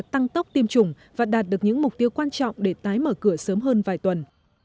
tăng tốc tiêm chủng và đạt được những mục tiêu quan trọng để tái mở cửa sớm hơn vài tuần